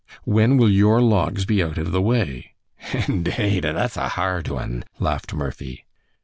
"When will your logs be out of the way?" "Indade an' that's a ha r r d one," laughed Murphy.